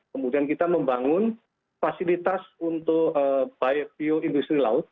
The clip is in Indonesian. kemudian kita membangun fasilitas untuk baik bioindustri laut